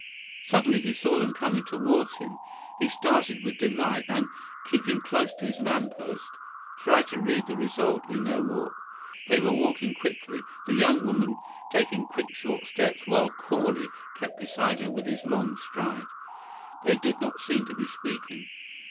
Suddenly he saw them coming towards him. He started with delight and, keeping close to his lamp post, tried to read the result in their walk. They were walking quickly, the young woman taking quick short steps, while Corley kept beside her with his long stride. They did not seem to be speaking.